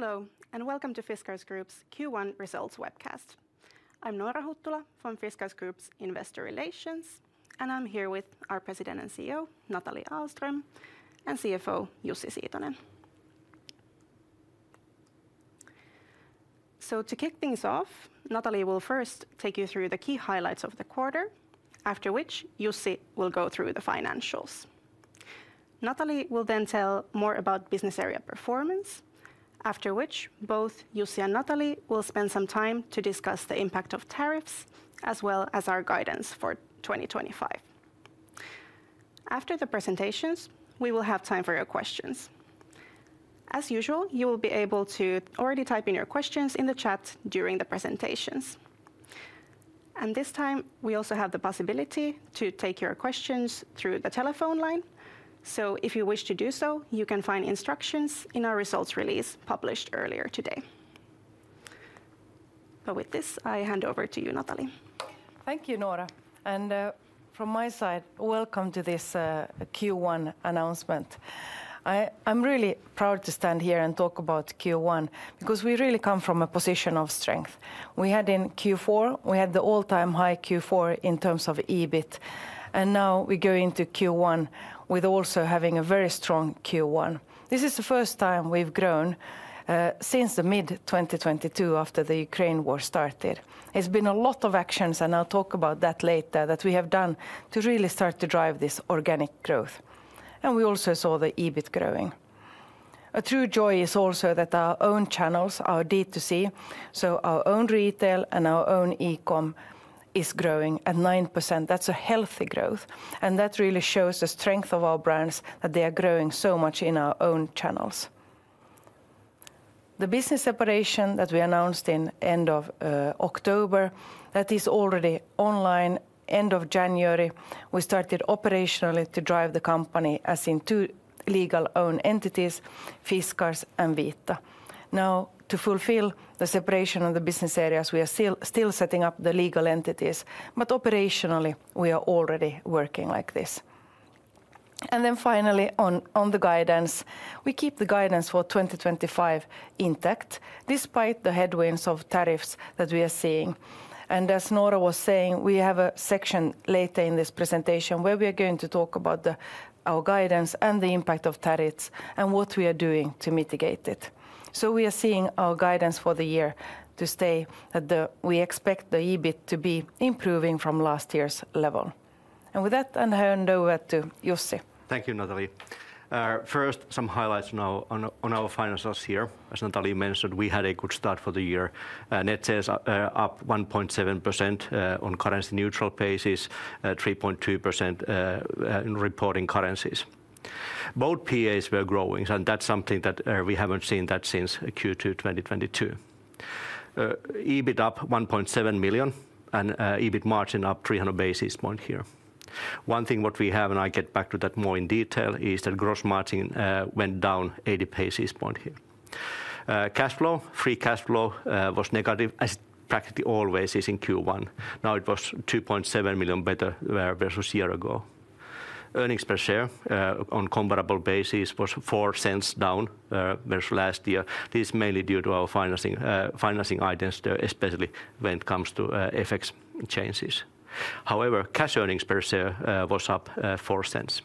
Hello, and welcome to Fiskars Group's Q1 Results Webcast. I'm Noora Huttula from Fiskars Group's Investor Relations, and I'm here with our President and CEO, Nathalie Ahlström, and CFO, Jussi Siitonen. To kick things off, Nathalie will first take you through the key highlights of the quarter, after which Jussi will go through the financials. Nathalie will then tell more about business area performance, after which both Jussi and Nathalie will spend some time to discuss the impact of tariffs, as well as our guidance for 2025. After the presentations, we will have time for your questions. As usual, you will be able to already type in your questions in the chat during the presentations. This time, we also have the possibility to take your questions through the telephone line. If you wish to do so, you can find instructions in our results release published earlier today. With this, I hand over to you, Nathalie. Thank you, Noora. From my side, welcome to this Q1 announcement. I'm really proud to stand here and talk about Q1, because we really come from a position of strength. We had in Q4, we had the all-time high Q4 in terms of EBIT, and now we go into Q1 with also having a very strong Q1. This is the first time we've grown since mid-2022, after the Ukraine war started. It's been a lot of actions, and I'll talk about that later, that we have done to really start to drive this organic growth. We also saw the EBIT growing. A true joy is also that our own channels, our D2C, so our own retail and our own e-com, is growing at 9%. That's a healthy growth, and that really shows the strength of our brands, that they are growing so much in our own channels. The business separation that we announced in the end of October, that is already online. End of January, we started operationally to drive the company as in two legal-owned entities, Fiskars and Vita. Now, to fulfill the separation of the business areas, we are still setting up the legal entities, but operationally, we are already working like this. Finally, on the guidance, we keep the guidance for 2025 intact, despite the headwinds of tariffs that we are seeing. As Noora was saying, we have a section later in this presentation where we are going to talk about our guidance and the impact of tariffs and what we are doing to mitigate it. We are seeing our guidance for the year to stay at the we expect the EBIT to be improving from last year's level. With that, I'll hand over to Jussi. Thank you, Nathalie. First, some highlights now on our financials here. As Nathalie mentioned, we had a good start for the year. Net sales up 1.7% on a currency-neutral basis, 3.2% in reporting currencies. Both PAs were growing, and that's something that we haven't seen since Q2 2022. EBIT up $1.7 million, and EBIT margin up 300 basis points here. One thing what we have, and I'll get back to that more in detail, is that gross margin went down 80 basis points here. Free cash flow was negative, as it practically always is in Q1. Now it was $2.7 million better versus a year ago. Earnings per share on a comparable basis was $0.04 down versus last year. This is mainly due to our financing items, especially when it comes to FX changes. However, cash earnings per share was up $0.04.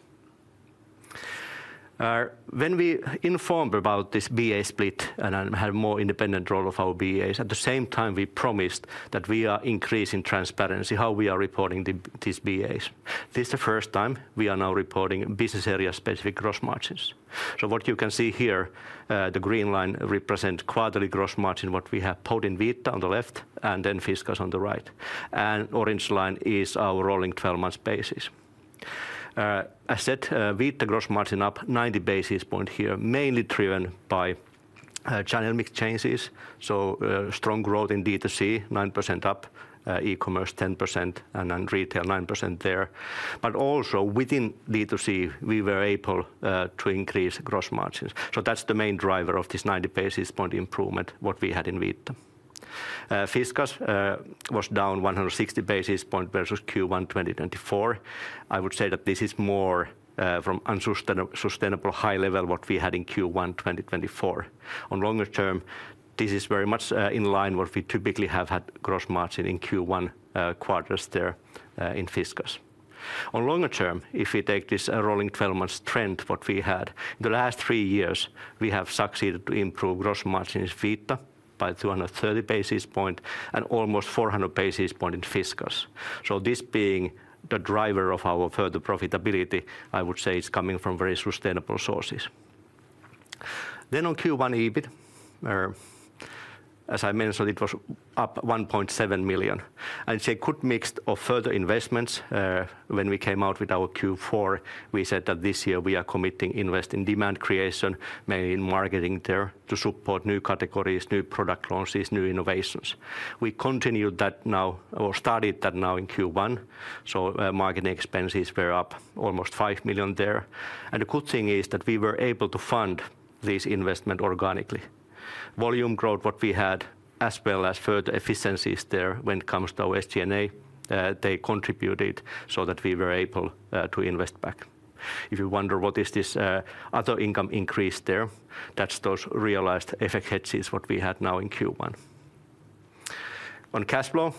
When we informed about this BA split and had a more independent role of our BAs, at the same time we promised that we are increasing transparency, how we are reporting these BAs. This is the first time we are now reporting business area-specific gross margins. What you can see here, the green line represents quarterly gross margin, what we have put in Vita on the left, and then Fiskars on the right. The orange line is our rolling 12-month basis. As said, Vita gross margin up 90 basis points here, mainly driven by channel mix changes. Strong growth in D2C, 9% up, e-commerce 10%, and retail 9% there. Also within D2C, we were able to increase gross margins. That is the main driver of this 90 basis point improvement what we had in Vita. Fiskars was down 160 basis points versus Q1 2024. I would say that this is more from a sustainable high level what we had in Q1 2024. On longer term, this is very much in line with what we typically have had gross margin in Q1 quarters there in Fiskars. On longer term, if we take this rolling 12-month trend what we had, in the last three years, we have succeeded to improve gross margins in Vita by 230 basis points and almost 400 basis points in Fiskars. This being the driver of our further profitability, I would say it's coming from very sustainable sources. On Q1 EBIT, as I mentioned, it was up $1.7 million. It's a good mix of further investments. When we came out with our Q4, we said that this year we are committing to invest in demand creation, mainly in marketing there, to support new categories, new product launches, new innovations. We continued that now, or started that now in Q1. Marketing expenses were up almost $5 million there. The good thing is that we were able to fund these investments organically. Volume growth what we had, as well as further efficiencies there when it comes to our SG&A, they contributed so that we were able to invest back. If you wonder what is this other income increase there, that's those realized FX hedges what we had now in Q1. On cash flow,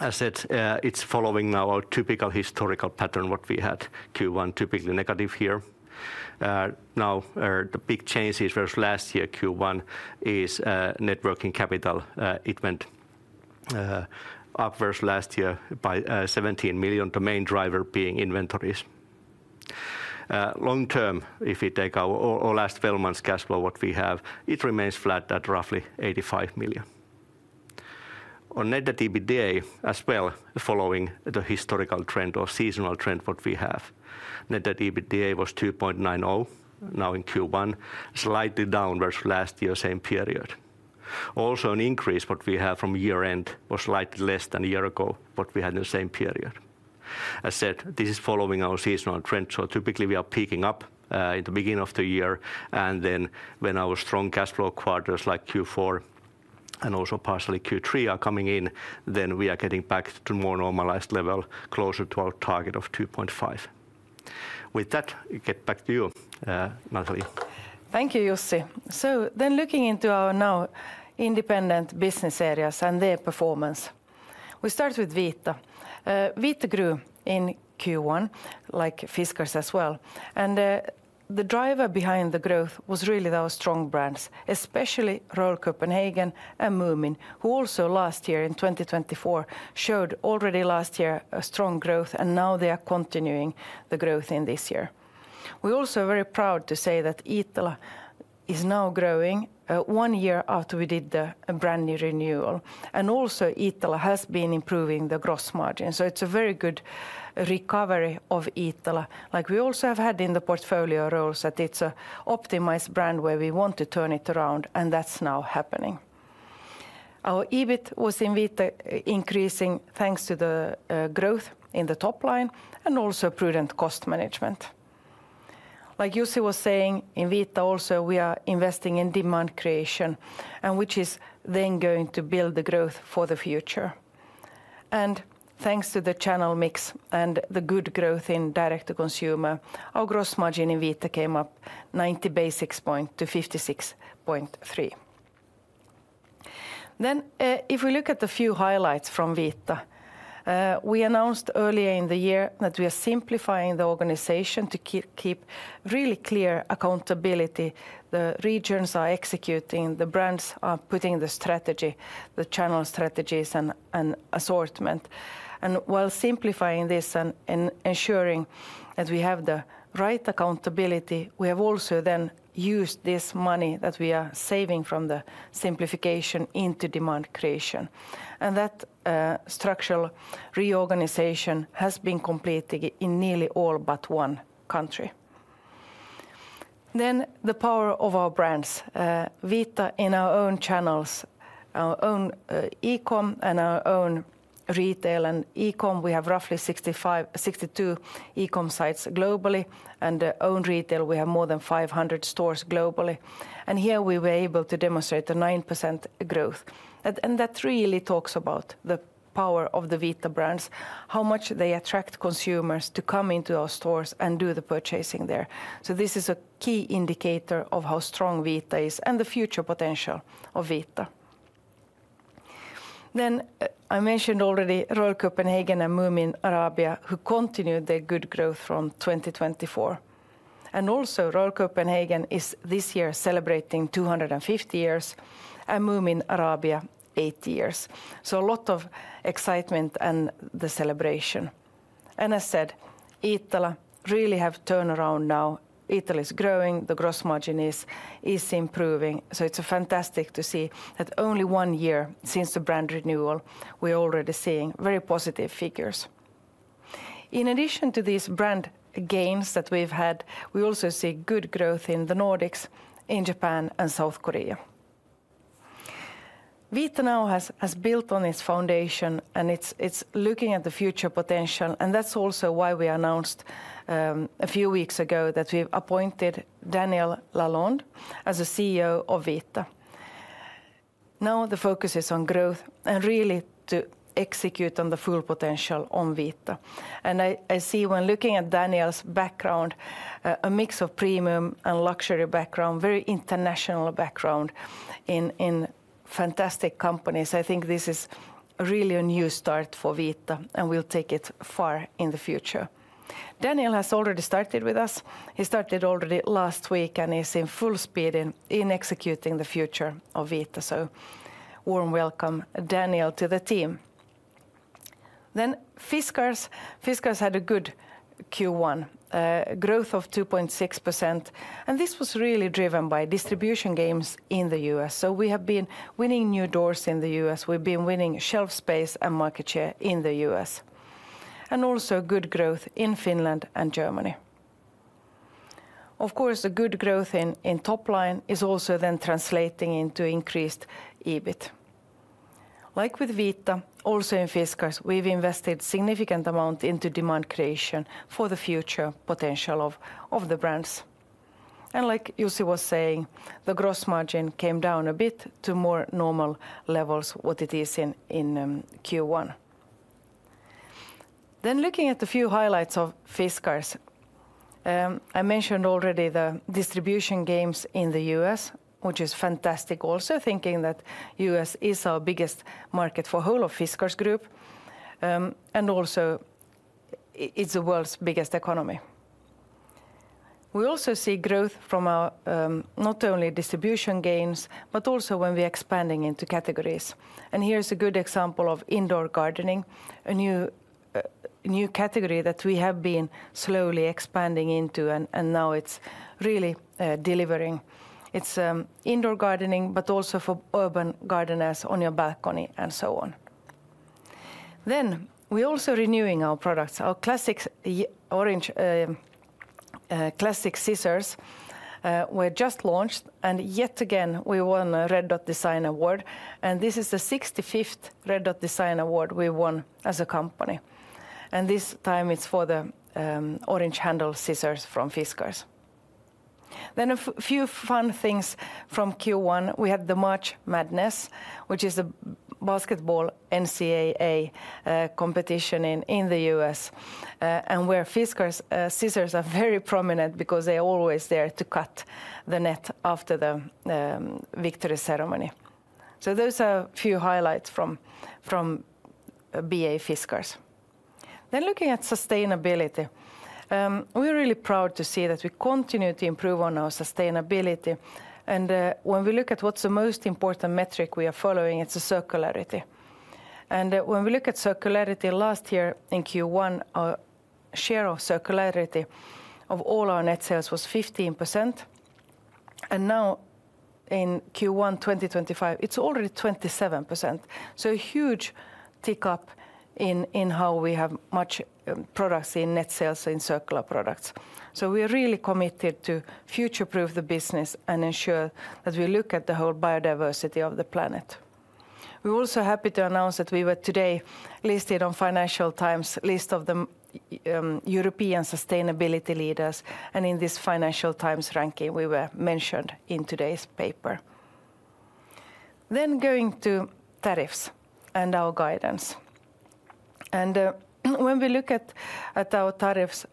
as said, it's following now our typical historical pattern what we had Q1, typically negative here. Now the big change is versus last year Q1 is networking capital. It went up versus last year by $17 million, the main driver being inventories. Long term, if we take our last 12-month cash flow what we have, it remains flat at roughly $85 million. On net EBITDA as well, following the historical trend or seasonal trend what we have, net EBITDA was 2.90 now in Q1, slightly down versus last year same period. Also an increase what we have from year-end was slightly less than a year ago what we had in the same period. As said, this is following our seasonal trend. Typically we are peaking up in the beginning of the year, and when our strong cash flow quarters like Q4 and also partially Q3 are coming in, we are getting back to a more normalized level, closer to our target of 2.5. With that, I get back to you, Nathalie. Thank you, Jussi. Looking into our now independent business areas and their performance, we start with Vita. Vita grew in Q1, like Fiskars as well. The driver behind the growth was really our strong brands, especially Royal Copenhagen and Moomin, who also last year in 2023 showed already last year a strong growth, and now they are continuing the growth in this year. We also are very proud to say that Iittala is now growing one year after we did the brand renewal. Also, Iittala has been improving the gross margin. It is a very good recovery of Iittala. Like we also have had in the portfolio roles that it is an optimized brand where we want to turn it around, and that is now happening. Our EBIT was in Vita increasing thanks to the growth in the top line and also prudent cost management. Like Jussi was saying, in Vita also we are investing in demand creation, which is then going to build the growth for the future. Thanks to the channel mix and the good growth in direct-to-consumer, our gross margin in Vita came up 90 basis points to 56.3%. If we look at a few highlights from Vita, we announced earlier in the year that we are simplifying the organization to keep really clear accountability. The regions are executing, the brands are putting the strategy, the channel strategies and assortment. While simplifying this and ensuring that we have the right accountability, we have also then used this money that we are saving from the simplification into demand creation. That structural reorganization has been completed in nearly all but one country. The power of our brands. Vita in our own channels, our own e-com and our own retail. E-com, we have roughly 62 e-com sites globally. Own retail, we have more than 500 stores globally. Here we were able to demonstrate a 9% growth. That really talks about the power of the Vita brands, how much they attract consumers to come into our stores and do the purchasing there. This is a key indicator of how strong Vita is and the future potential of Vita. I mentioned already Royal Copenhagen and Moomin Arabia, who continued their good growth from 2024. Also, Royal Copenhagen is this year celebrating 250 years and Moomin Arabia 80 years. A lot of excitement and the celebration. As said, Iittala really has turned around now. Iittala is growing, the gross margin is improving. It is fantastic to see that only one year since the brand renewal, we are already seeing very positive figures. In addition to these brand gains that we've had, we also see good growth in the Nordics, in Japan and South Korea. Vita now has built on its foundation and it's looking at the future potential. That is also why we announced a few weeks ago that we've appointed Daniel Lalonde as the CEO of Vita. Now the focus is on growth and really to execute on the full potential on Vita. I see when looking at Daniel's background, a mix of premium and luxury background, very international background in fantastic companies. I think this is really a new start for Vita and we'll take it far in the future. Daniel has already started with us. He started already last week and is in full speed in executing the future of Vita. Warm welcome, Daniel, to the team. Fiskars had a good Q1, growth of 2.6%. This was really driven by distribution gains in the US. We have been winning new doors in the US. We've been winning shelf space and market share in the US. Also, good growth in Finland and Germany. Of course, the good growth in top line is also then translating into increased EBIT. Like with Vita, also in Fiskars, we've invested a significant amount into demand creation for the future potential of the brands. Like Jussi was saying, the gross margin came down a bit to more normal levels, what it is in Q1. Looking at a few highlights of Fiskars, I mentioned already the distribution gains in the US, which is fantastic also, thinking that the US is our biggest market for the whole of Fiskars Group. Also, it's the world's biggest economy. We also see growth from our not only distribution gains, but also when we're expanding into categories. Here's a good example of indoor gardening, a new category that we have been slowly expanding into and now it's really delivering. It's indoor gardening, but also for urban gardeners on your balcony and so on. We are also renewing our products. Our classic orange scissors were just launched. Yet again, we won a Red Dot Design Award. This is the 65th Red Dot Design Award we won as a company. This time it's for the orange handle scissors from Fiskars. A few fun things from Q1. We had the March Madness, which is a basketball NCAA competition in the U.S., where Fiskars scissors are very prominent because they're always there to cut the net after the victory ceremony. Those are a few highlights from BA Fiskars. Looking at sustainability, we're really proud to see that we continue to improve on our sustainability. When we look at what's the most important metric we are following, it's circularity. When we look at circularity last year in Q1, our share of circularity of all our net sales was 15%. Now in Q1 2025, it's already 27%. A huge tick up in how we have much products in net sales and in circular products. We're really committed to future-proof the business and ensure that we look at the whole biodiversity of the planet. We're also happy to announce that we were today listed on Financial Times' list of the European sustainability leaders. In this Financial Times ranking, we were mentioned in today's paper. Going to tariffs and our guidance. When we look at our tariffs,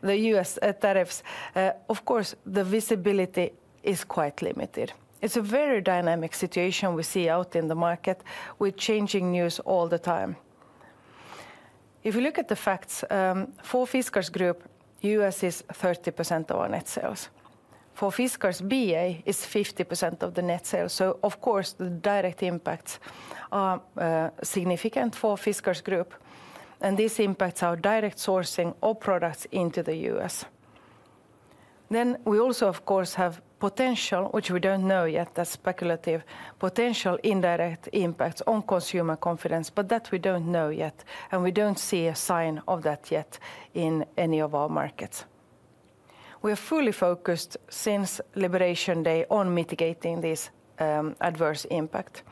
the U.S. tariffs, of course, the visibility is quite limited. It is a very dynamic situation we see out in the market with changing news all the time. If you look at the facts, for Fiskars Group, U.S. is 30% of our net sales. For Fiskars BA, it is 50% of the net sales. Of course, the direct impacts are significant for Fiskars Group. This impacts our direct sourcing of products into the U.S. We also, of course, have potential, which we do not know yet, that is speculative potential indirect impacts on consumer confidence, but that we do not know yet. We do not see a sign of that yet in any of our markets. We are fully focused since Liberation Day on mitigating this adverse impact.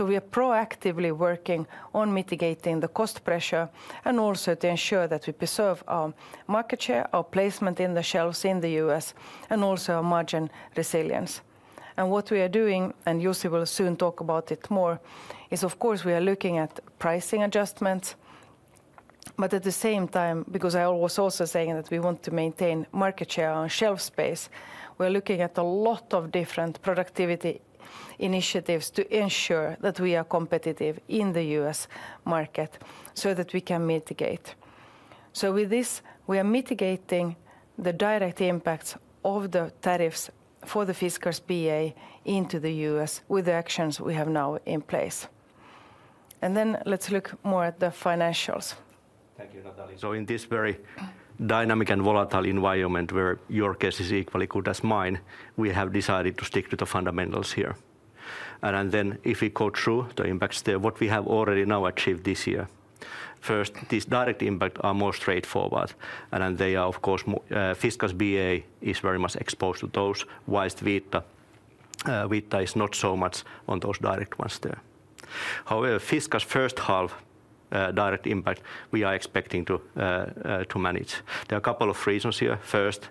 We are proactively working on mitigating the cost pressure and also to ensure that we preserve our market share, our placement in the shelves in the U.S., and also our margin resilience. What we are doing, and Jussi will soon talk about it more, is of course we are looking at pricing adjustments. At the same time, because I was also saying that we want to maintain market share on shelf space, we are looking at a lot of different productivity initiatives to ensure that we are competitive in the U.S. market so that we can mitigate. With this, we are mitigating the direct impacts of the tariffs for the Fiskars BA into the U.S. with the actions we have now in place. Let's look more at the financials. Thank you, Nathalie. In this very dynamic and volatile environment where your case is equally good as mine, we have decided to stick to the fundamentals here. If we go through the impacts there, what we have already now achieved this year, first, these direct impacts are more straightforward. They are, of course, Fiskars BA is very much exposed to those whilst Vita is not so much on those direct ones there. However, Fiskars' first half direct impact, we are expecting to manage. There are a couple of reasons here. First,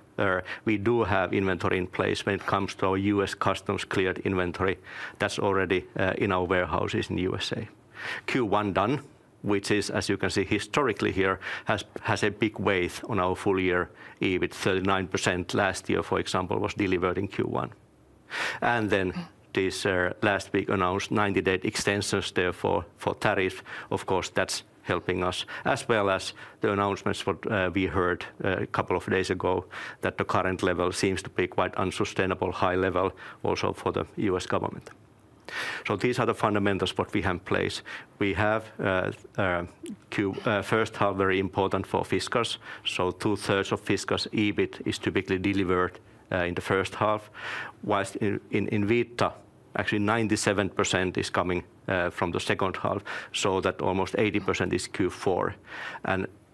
we do have inventory in place when it comes to our US customs cleared inventory that's already in our warehouses in the US. Q1 done, which is, as you can see historically here, has a big weight on our full year EBIT. 39% last year, for example, was delivered in Q1. These last week announced 90-day extensions there for tariffs. Of course, that's helping us, as well as the announcements we heard a couple of days ago that the current level seems to be quite unsustainable, high level also for the U.S. government. These are the fundamentals what we have in place. We have Q1 half very important for Fiskars. Two-thirds of Fiskars EBIT is typically delivered in the first half, whilst in Vita, actually 97% is coming from the second half. Almost 80% is Q4.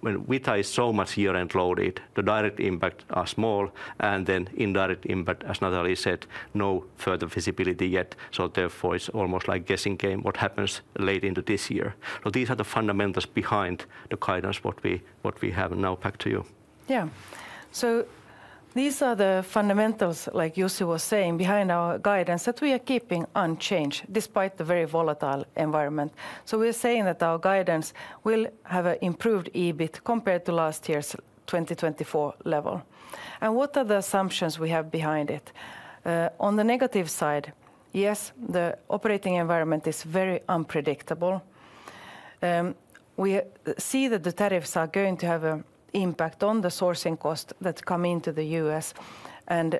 When Vita is so much year-end loaded, the direct impacts are small. Indirect impact, as Nathalie said, no further visibility yet. Therefore it's almost like guessing game what happens late into this year. These are the fundamentals behind the guidance what we have now. Back to you. Yeah. These are the fundamentals, like Jussi was saying, behind our guidance that we are keeping unchanged despite the very volatile environment. We are saying that our guidance will have an improved EBIT compared to last year's 2024 level. What are the assumptions we have behind it? On the negative side, yes, the operating environment is very unpredictable. We see that the tariffs are going to have an impact on the sourcing cost that comes into the U.S.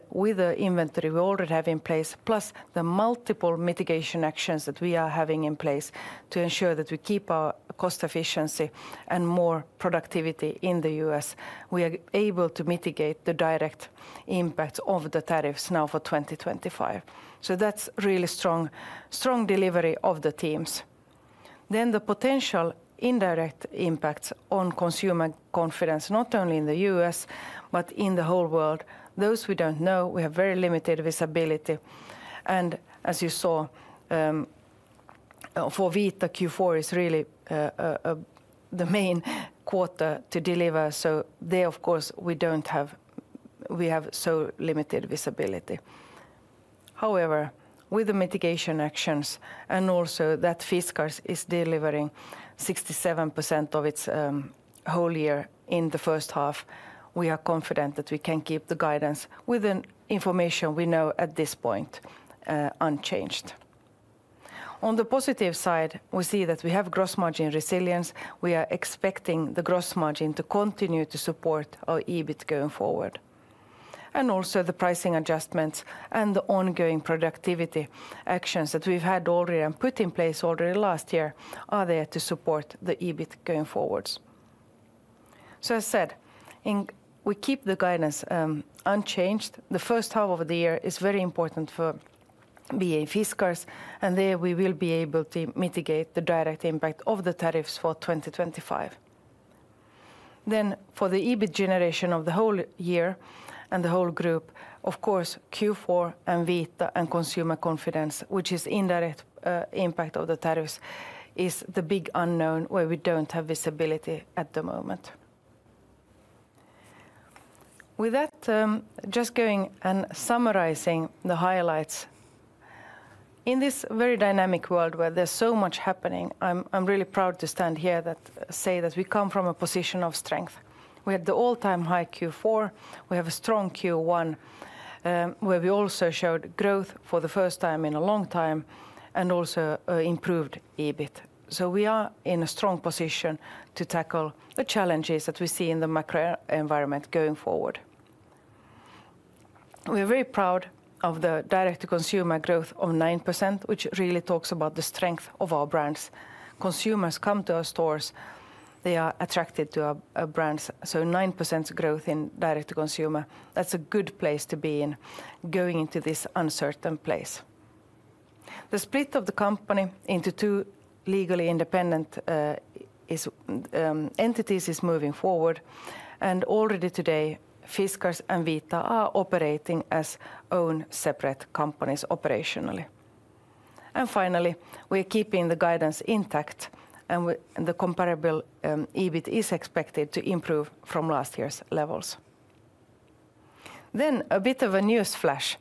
With the inventory we already have in place, plus the multiple mitigation actions that we are having in place to ensure that we keep our cost efficiency and more productivity in the U.S., we are able to mitigate the direct impacts of the tariffs now for 2025. That is really strong delivery of the teams. The potential indirect impacts on consumer confidence, not only in the U.S., but in the whole world, we do not know. We have very limited visibility. As you saw, for Vita, Q4 is really the main quarter to deliver. There, of course, we have so limited visibility. However, with the mitigation actions and also that Fiskars is delivering 67% of its whole year in the first half, we are confident that we can keep the guidance with the information we know at this point unchanged. On the positive side, we see that we have gross margin resilience. We are expecting the gross margin to continue to support our EBIT going forward. Also, the pricing adjustments and the ongoing productivity actions that we have had already and put in place already last year are there to support the EBIT going forward. As said, we keep the guidance unchanged. The first half of the year is very important for BA Fiskars. There we will be able to mitigate the direct impact of the tariffs for 2025. For the EBIT generation of the whole year and the whole group, of course, Q4 and Vita and consumer confidence, which is an indirect impact of the tariffs, is the big unknown where we do not have visibility at the moment. With that, just going and summarizing the highlights. In this very dynamic world where there is so much happening, I am really proud to stand here and say that we come from a position of strength. We had the all-time high Q4. We have a strong Q1 where we also showed growth for the first time in a long time and also improved EBIT. We are in a strong position to tackle the challenges that we see in the macro environment going forward. We are very proud of the direct-to-consumer growth of 9%, which really talks about the strength of our brands. Consumers come to our stores. They are attracted to our brands. 9% growth in direct-to-consumer, that's a good place to be in going into this uncertain place. The split of the company into two legally independent entities is moving forward. Already today, Fiskars and Vita are operating as own separate companies operationally. Finally, we are keeping the guidance intact and the comparable EBIT is expected to improve from last year's levels. A bit of a news flash.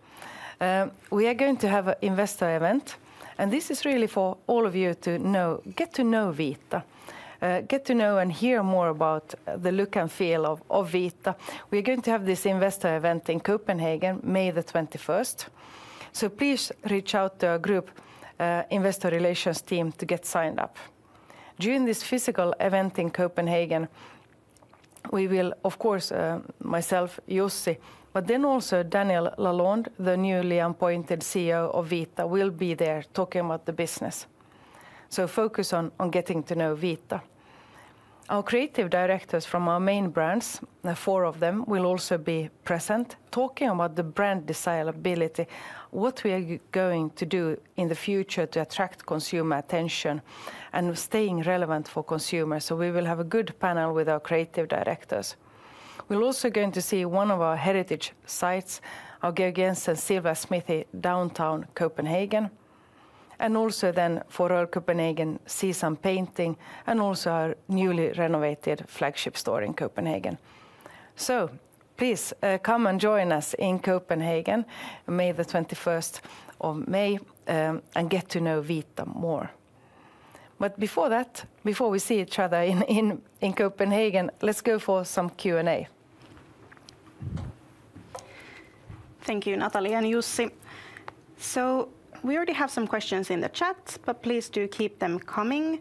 We are going to have an investor event. This is really for all of you to get to know Vita, get to know and hear more about the look and feel of Vita. We are going to have this investor event in Copenhagen, May the 21st. Please reach out to our group investor relations team to get signed up. During this physical event in Copenhagen, we will, of course, myself, Jussi, but then also Daniel Lalonde, the newly appointed CEO of Vita, will be there talking about the business. Focus on getting to know Vita. Our creative directors from our main brands, four of them, will also be present talking about the brand disability, what we are going to do in the future to attract consumer attention and staying relevant for consumers. We will have a good panel with our creative directors. We're also going to see one of our heritage sites, our Georg Jensen Silver Smithy, downtown Copenhagen. Also then for all Copenhagen, see some painting and also our newly renovated flagship store in Copenhagen. Please come and join us in Copenhagen, May the 21st of May, and get to know Vita more. Before that, before we see each other in Copenhagen, let's go for some Q&A. Thank you, Nathalie and Jussi. We already have some questions in the chat, but please do keep them coming.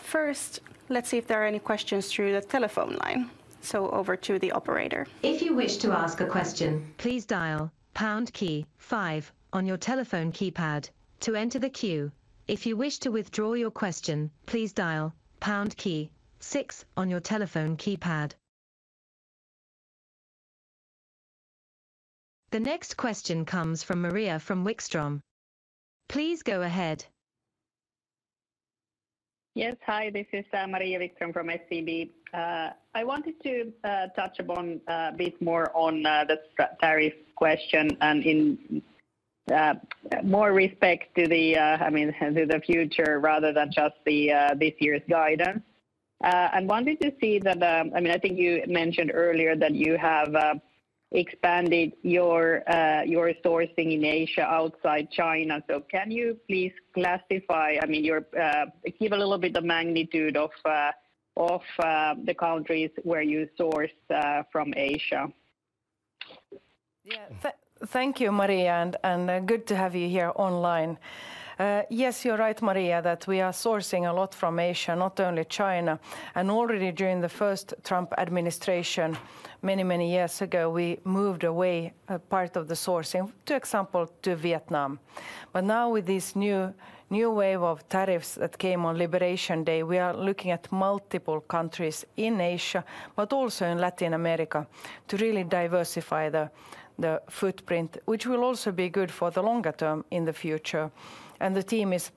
First, let's see if there are any questions through the telephone line. Over to the operator. If you wish to ask a question, please dial pound key five on your telephone keypad to enter the queue. If you wish to withdraw your question, please dial pound key six on your telephone keypad. The next question comes from Maria Wikstrom. Please go ahead. Yes, hi, this is Maria Wikstrom from SEB. I wanted to touch upon a bit more on the tariff question and in more respect to the, I mean, to the future rather than just this year's guidance. I wanted to see that, I mean, I think you mentioned earlier that you have expanded your sourcing in Asia outside China. Can you please classify, I mean, give a little bit of magnitude of the countries where you source from Asia? Yeah, thank you, Maria, and good to have you here online. Yes, you're right, Maria, that we are sourcing a lot from Asia, not only China. Already during the first Trump administration, many, many years ago, we moved away part of the sourcing, for example, to Vietnam. Now with this new wave of tariffs that came on Liberation Day, we are looking at multiple countries in Asia, but also in Latin America to really diversify the footprint, which will also be good for the longer term in the future. The team is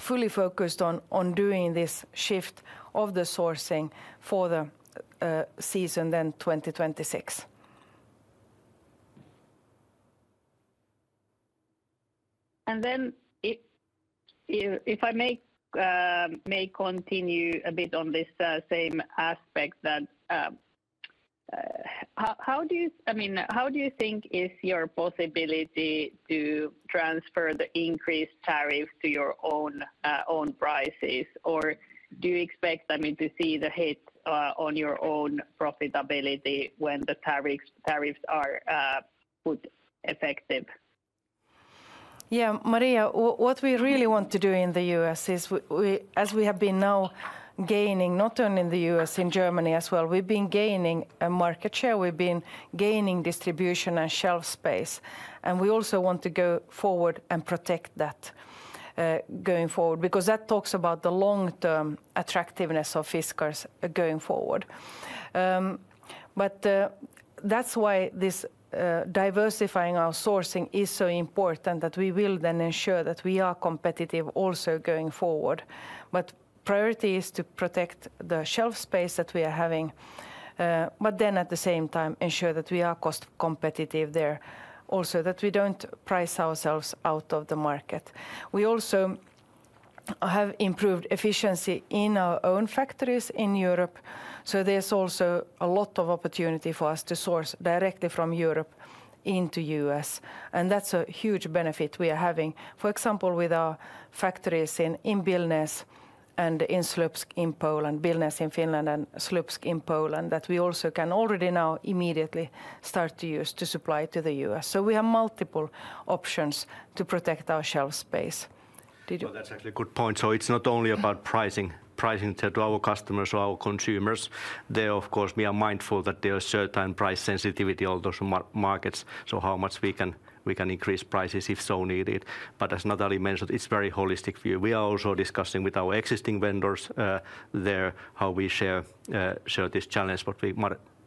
fully focused on doing this shift of the sourcing for the season in 2026. If I may continue a bit on this same aspect, how do you, I mean, how do you think is your possibility to transfer the increased tariffs to your own prices? Or do you expect, I mean, to see the hit on your own profitability when the tariffs are put effective? Yeah, Maria, what we really want to do in the U.S. is, as we have been now gaining, not only in the U.S., in Germany as well, we've been gaining market share, we've been gaining distribution and shelf space. We also want to go forward and protect that going forward because that talks about the long-term attractiveness of Fiskars going forward. That is why this diversifying our sourcing is so important, that we will then ensure that we are competitive also going forward. Priority is to protect the shelf space that we are having, but at the same time ensure that we are cost competitive there also, that we don't price ourselves out of the market. We also have improved efficiency in our own factories in Europe. There is also a lot of opportunity for us to source directly from Europe into the U.S. That's a huge benefit we are having, for example, with our factories in Billnäs in Finland and in Słupsk in Poland, that we also can already now immediately start to use to supply to the US. We have multiple options to protect our shelf space. That's actually a good point. It's not only about pricing to our customers or our consumers. There, of course, we are mindful that there is certain price sensitivity on those markets, so how much we can increase prices if so needed. As Nathalie mentioned, it's a very holistic view. We are also discussing with our existing vendors there how we share this challenge that we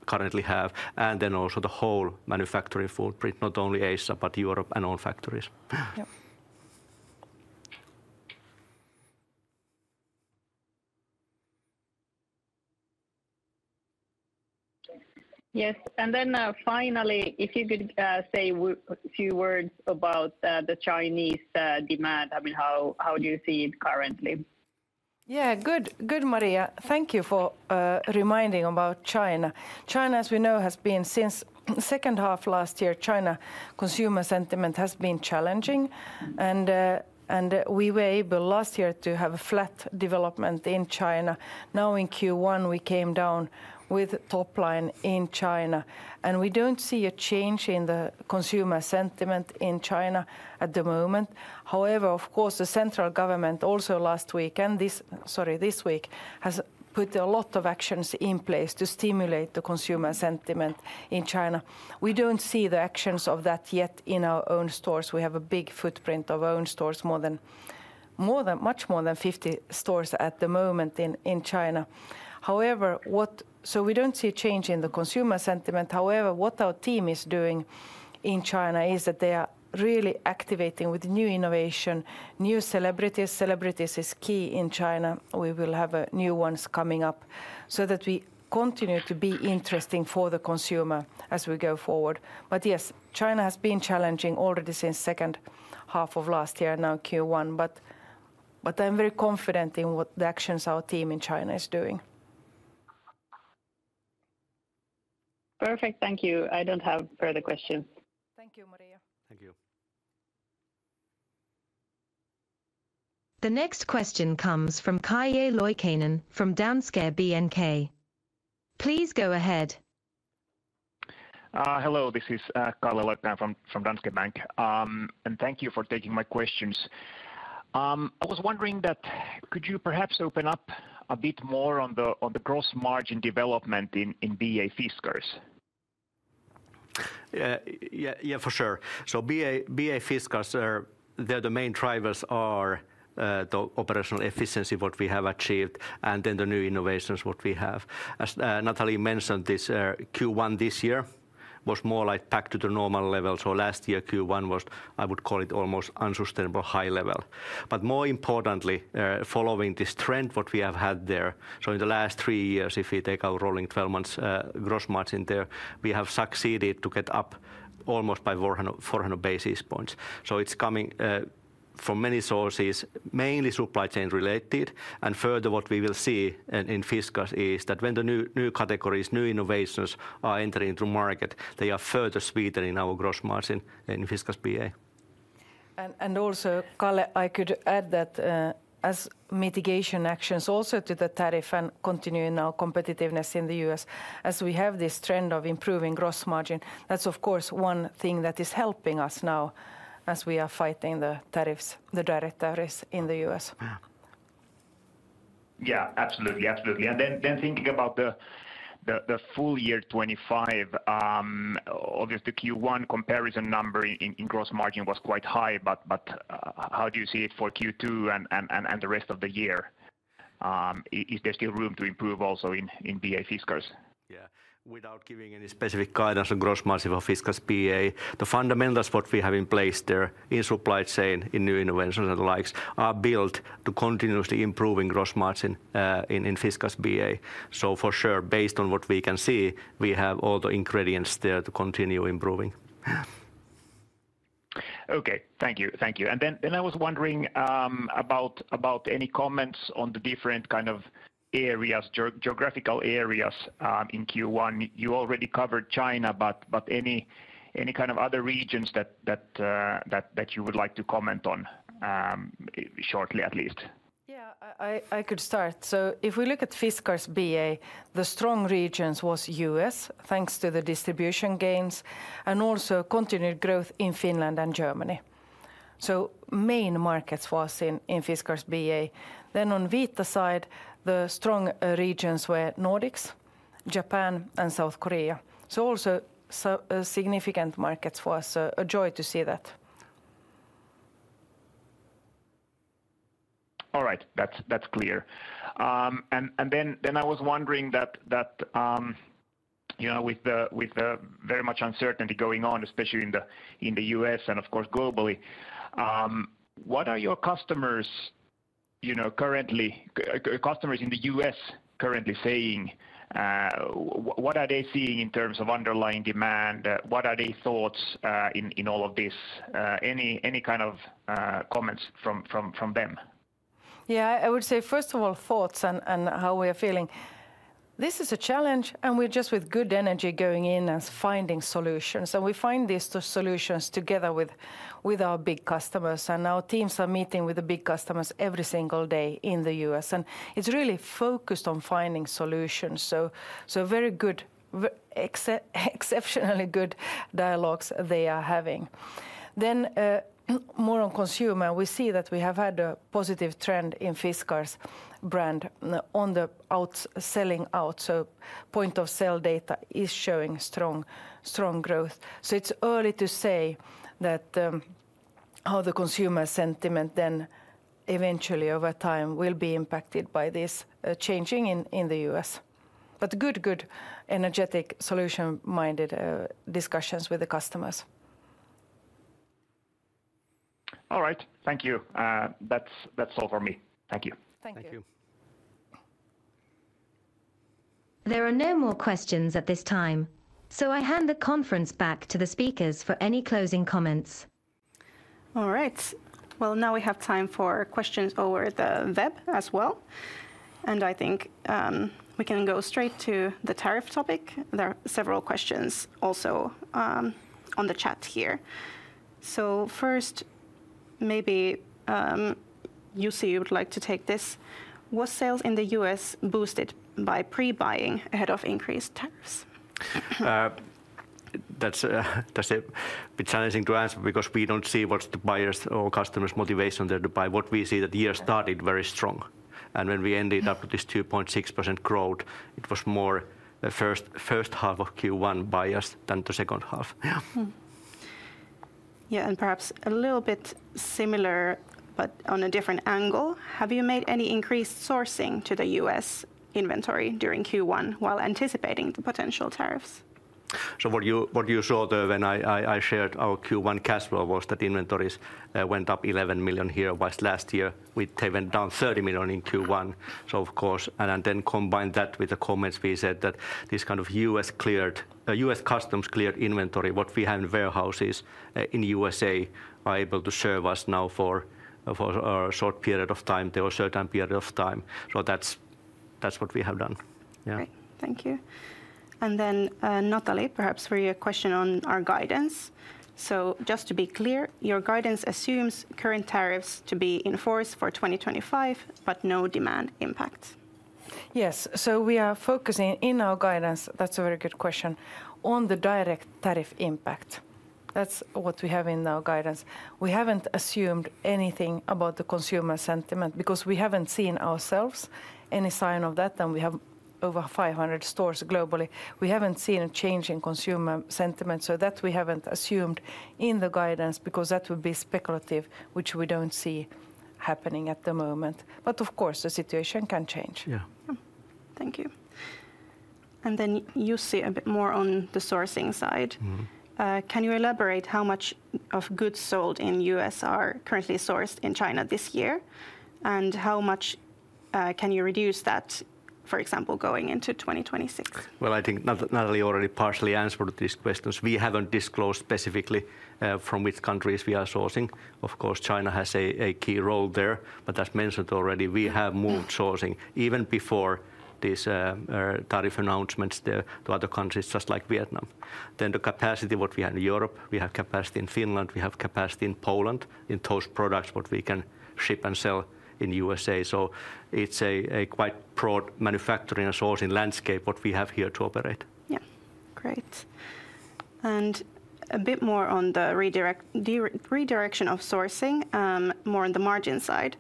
currently have. Also, the whole manufacturing footprint, not only Asia, but Europe and all factories. Yes. Finally, if you could say a few words about the Chinese demand, I mean, how do you see it currently? Yeah, good, good, Maria. Thank you for reminding about China. China, as we know, has been since the second half last year, China consumer sentiment has been challenging. We were able last year to have a flat development in China. Now in Q1, we came down with top line in China. We do not see a change in the consumer sentiment in China at the moment. However, of course, the central government also last week and this, sorry, this week has put a lot of actions in place to stimulate the consumer sentiment in China. We do not see the actions of that yet in our own stores. We have a big footprint of our own stores, much more than 50 stores at the moment in China. However, we do not see a change in the consumer sentiment. However, what our team is doing in China is that they are really activating with new innovation, new celebrities. Celebrities is key in China. We will have new ones coming up so that we continue to be interesting for the consumer as we go forward. Yes, China has been challenging already since the second half of last year, now Q1. I am very confident in what the actions our team in China is doing. Perfect. Thank you. I don't have further questions. Thank you, Maria. Thank you. The next question comes from Kaije Loikainen from Danske Bank. Please go ahead. Hello, this is Kaije Loikainen from Danske Bank. Thank you for taking my questions. I was wondering that could you perhaps open up a bit more on the gross margin development in BA Fiskars? Yeah, for sure. BA Fiskars, their main drivers are the operational efficiency, what we have achieved, and then the new innovations what we have. As Nathalie mentioned, this Q1 this year was more like back to the normal level. Last year Q1 was, I would call it almost unsustainable high level. More importantly, following this trend what we have had there, in the last three years, if we take our rolling 12 months gross margin there, we have succeeded to get up almost by 400 basis points. It is coming from many sources, mainly supply chain related. Further, what we will see in Fiskars is that when the new categories, new innovations are entering through market, they are further sweetening our gross margin in Fiskars BA. Also, Kaije, I could add that as mitigation actions also to the tariff and continuing our competitiveness in the U.S., as we have this trend of improving gross margin, that's of course one thing that is helping us now as we are fighting the tariffs, the directives in the U.S. Yeah, absolutely, absolutely. Thinking about the full year 2025, obviously Q1 comparison number in gross margin was quite high, but how do you see it for Q2 and the rest of the year? Is there still room to improve also in BA Fiskars? Yeah, without giving any specific guidance on gross margin for Fiskars BA, the fundamentals what we have in place there in supply chain in new innovations and the likes are built to continuously improving gross margin in Fiskars BA. For sure, based on what we can see, we have all the ingredients there to continue improving. Okay, thank you, thank you. I was wondering about any comments on the different kind of areas, geographical areas in Q1. You already covered China, but any kind of other regions that you would like to comment on shortly at least? Yeah, I could start. If we look at Fiskars BA, the strong regions was US thanks to the distribution gains and also continued growth in Finland and Germany. Main markets was in Fiskars BA. On Vita side, the strong regions were Nordics, Japan, and South Korea. Also significant markets was a joy to see that. All right, that's clear. I was wondering that with the very much uncertainty going on, especially in the U.S. and of course globally, what are your customers currently, customers in the U.S. currently saying? What are they seeing in terms of underlying demand? What are their thoughts in all of this? Any kind of comments from them? Yeah, I would say first of all, thoughts and how we are feeling. This is a challenge and we're just with good energy going in as finding solutions. We find these solutions together with our big customers. Our teams are meeting with the big customers every single day in the U.S. It is really focused on finding solutions. Very good, exceptionally good dialogues they are having. More on consumer, we see that we have had a positive trend in Fiskars brand on the outselling out. Point of sale data is showing strong growth. It is early to say how the consumer sentiment then eventually over time will be impacted by this changing in the U.S. Good, energetic, solution-minded discussions with the customers. All right, thank you. That's all for me. Thank you. Thank you. Thank you. There are no more questions at this time. I hand the conference back to the speakers for any closing comments. All right. Now we have time for questions over the web as well. I think we can go straight to the tariff topic. There are several questions also on the chat here. First, maybe Jussi, you would like to take this. Was sales in the U.S. boosted by pre-buying ahead of increased tariffs? That's a bit challenging to answer because we don't see what's the buyers' or customers' motivation there to buy. What we see, that year started very strong. When we ended up with this 2.6% growth, it was more the first half of Q1 buyers than the second half. Yeah, and perhaps a little bit similar, but on a different angle. Have you made any increased sourcing to the US inventory during Q1 while anticipating the potential tariffs? What you saw there when I shared our Q1 cash flow was that inventories went up $11 million here last year. We went down $30 million in Q1. Of course, and then combine that with the comments we said that this kind of U.S. cleared, U.S. customs cleared inventory, what we have in warehouses in the U.S.A., are able to serve us now for a short period of time, there was a certain period of time. That is what we have done. Great, thank you. Nathalie, perhaps for your question on our guidance. Just to be clear, your guidance assumes current tariffs to be enforced for 2025, but no demand impact. Yes, so we are focusing in our guidance, that's a very good question, on the direct tariff impact. That's what we have in our guidance. We haven't assumed anything about the consumer sentiment because we haven't seen ourselves any sign of that. And we have over 500 stores globally. We haven't seen a change in consumer sentiment. So that we haven't assumed in the guidance because that would be speculative, which we don't see happening at the moment. Of course, the situation can change. Yeah. Thank you. Jussi, a bit more on the sourcing side. Can you elaborate how much of goods sold in the U.S. are currently sourced in China this year? How much can you reduce that, for example, going into 2026? I think Nathalie already partially answered these questions. We haven't disclosed specifically from which countries we are sourcing. Of course, China has a key role there. As mentioned already, we have moved sourcing even before these tariff announcements to other countries just like Vietnam. The capacity we have in Europe, we have capacity in Finland, we have capacity in Poland in those products we can ship and sell in the U.S. It is a quite broad manufacturing and sourcing landscape we have here to operate. Yeah, great. A bit more on the redirection of sourcing, more on the margin side.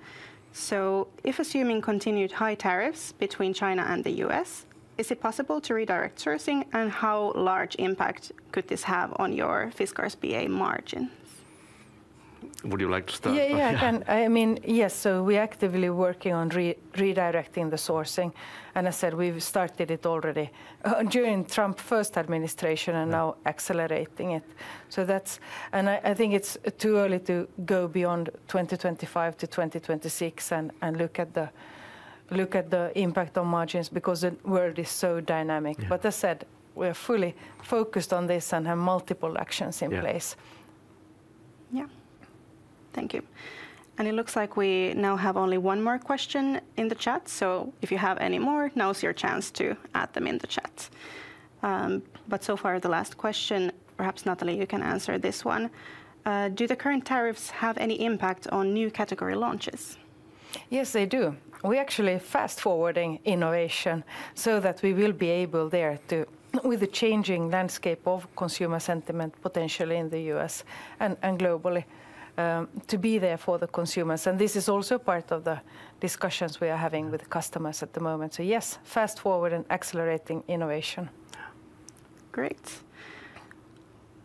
If assuming continued high tariffs between China and the U.S., is it possible to redirect sourcing? How large impact could this have on your Fiskars BA margins? Would you like to start? Yeah, I can. I mean, yes, so we're actively working on redirecting the sourcing. As I said, we've started it already during Trump's first administration and now accelerating it. That's, and I think it's too early to go beyond 2025 to 2026 and look at the impact on margins because the world is so dynamic. As I said, we are fully focused on this and have multiple actions in place. Yeah, thank you. It looks like we now have only one more question in the chat. If you have any more, now's your chance to add them in the chat. So far the last question, perhaps Nathalie, you can answer this one. Do the current tariffs have any impact on new category launches? Yes, they do. We actually fast forwarding innovation so that we will be able there to, with the changing landscape of consumer sentiment potentially in the U.S. and globally, to be there for the consumers. This is also part of the discussions we are having with customers at the moment. Yes, fast forward and accelerating innovation. Great.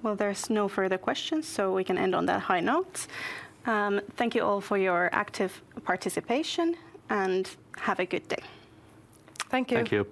There's no further questions, so we can end on that high note. Thank you all for your active participation and have a good day. Thank you. Thank you.